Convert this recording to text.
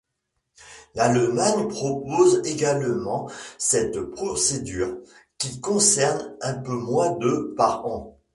L'Allemagne propose également cette procédure, qui concerne un peu moins de par an.